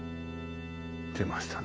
出ましたね。